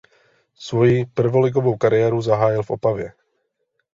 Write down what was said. Svoji prvoligovou kariéru zahájil Opavě.